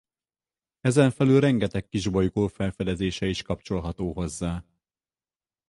Ezenfelül rengeteg kisbolygó felfedezése is kapcsolható hozzá.